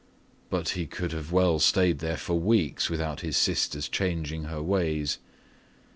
But he could have well stayed there for weeks without his sister's changing her ways.